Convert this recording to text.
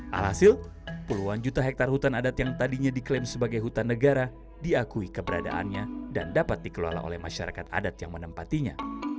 alhasil puluhan juta hektare hutan adat yang tadinya diklaim sebagai hutan negara diakui keberadaannya dan dapat dikelola oleh masyarakat adat yang menempatinya